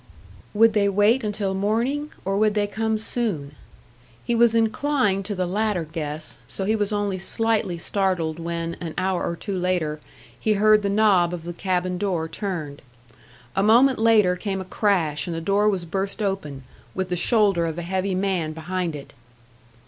Would they wait until morning, or would they come soon? He was inclined to the latter guess, so he was only slightly startled when, an hour or two later, he heard the knob of the cabin door turned. A moment later came a crash and the door was burst open, with the shoulder of a heavy man behind it.